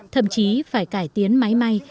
thậm chí phải cải tiến máy may